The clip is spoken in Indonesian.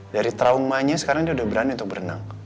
dari traumanya sekarang dia udah berani untuk berenang